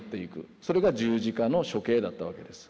それが十字架の処刑だったわけです。